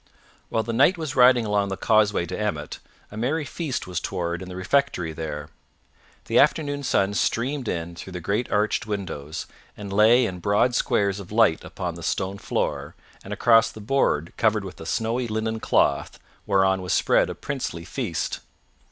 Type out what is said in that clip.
While the Knight was riding along the causeway to Emmet, a merry feast was toward in the refectory there. The afternoon sun streamed in through the great arched windows and lay in broad squares of light upon the stone floor and across the board covered with a snowy linen cloth, whereon was spread a princely feast.